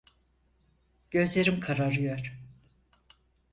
Gözlerim kararıyor.